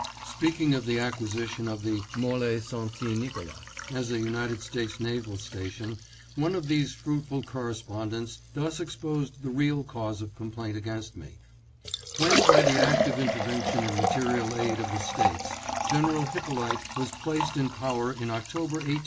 Speaking of the acquisition of the M61e St. Nicolas as a United States naval station, one of these fruitful correspondents thus exposed the real cause of complaint against me :" When by the active intervention and material aid of the States, General Hyppolite was placed in power in October, 1889, .